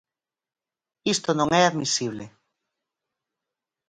Isto non é admisible.